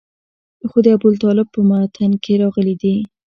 خو د ابوطالب په متن کې راغلي دي.